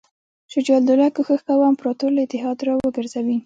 شجاع الدوله کوښښ کاوه امپراطور له اتحاد را وګرځوي.